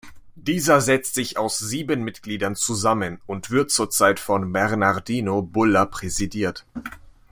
Dieser setzt sich aus sieben Mitgliedern zusammen und wird zurzeit von Bernardino Bulla präsidiert.